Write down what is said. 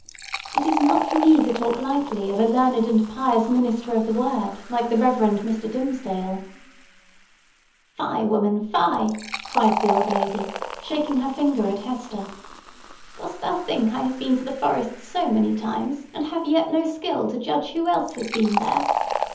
"It is not for me to talk lightly of a learned and pious minister of the Word, like the Reverend Mr. Dimmesdale." "Fie, woman—fie!" cried the old lady, shaking her finger at Hester. "Dost thou think I have been to the forest so many times, and have yet no skill to judge who else has been there?